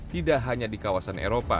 tidak hanya di kawasan eropa